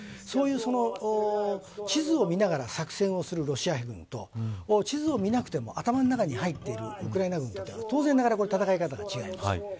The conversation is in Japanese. そういう地図を見ながら作戦をするロシア軍と地図を見なくても頭の中に入っているウクライナ軍とでは当然ながら戦い方が違います。